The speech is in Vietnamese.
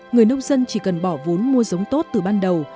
người nông dân chỉ cần bỏ vốn mua giống tốt từ ban đầu